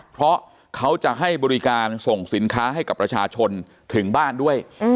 เพราะเขาจะให้บริการส่งสินค้าให้กับประชาชนถึงบ้านด้วย